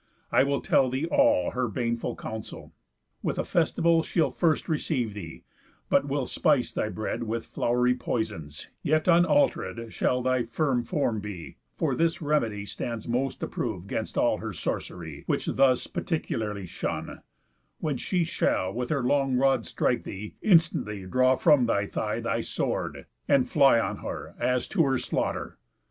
I will tell thee all Her baneful counsel: With a festival She'll first receive thee, but will spice thy bread With flow'ry poisons; yet unalteréd Shall thy firm form be, for this remedy Stands most approv'd 'gainst all her sorcery, Which thus particularly shun: When she Shall with her long rod strike thee, instantly Draw from thy thigh thy sword, and fly on her As to her slaughter.